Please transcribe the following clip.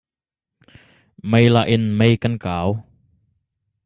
Meilah in mei kan kau.